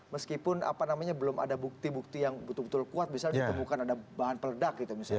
meskipun apa namanya belum ada bukti bukti yang betul betul kuat misalnya ditemukan ada bahan peledak gitu misalnya